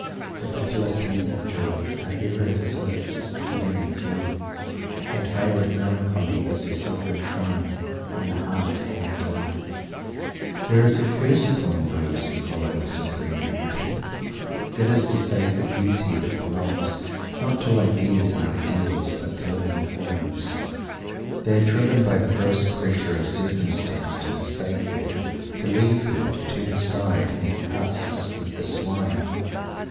The pitiless hands of Joy "are ever at his lips, bidding adieu" and "veiled melancholy has her 'sovran shrine' in the heart of all delight." This is the curse upon those who follow the supreme Beauty that is to say, the Beauty that belongs, not to ideas and ideals, but to living forms. They are driven by the gross pressure of circumstance to forsake her, to leave her, to turn aside and eat husks with the swine!